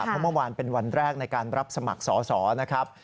เพราะเมื่อวานเป็นวันแรกในการรับสมัครสอสอนะครับ